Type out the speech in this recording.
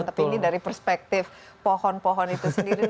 tapi ini dari perspektif pohon pohon itu sendiri